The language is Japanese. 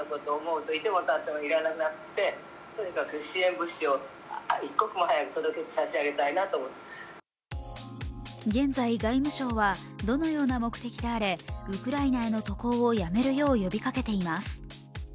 現地の様子について聞いてみると現在、外務省は、どのような目的であれウクライナへの渡航をやめるよう呼びかけています。